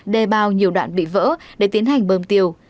đề bao nhiều đoạn bị vỡ để tiến hành bơm tiêu